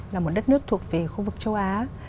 là một đất nước thuộc về khu vực châu á